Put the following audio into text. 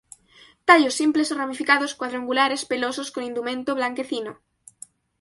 Tallos simples o ramificados, cuadrangulares, pelosos, con indumento blanquecino.